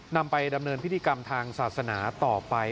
นำไปดำเนินพิธีกรรมทางศาสนาต่อไป